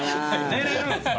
寝れるんですか？